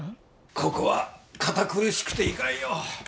ここは堅苦しくていかんよ。